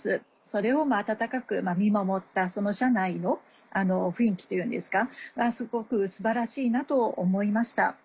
それを温かく見守ったその社内の雰囲気というんですかすごく素晴らしいなと思いました。